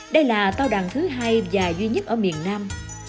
đây là tao đàn thứ hai và duy nhất ở miền nam